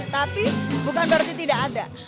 tapi bukan berarti tidak ada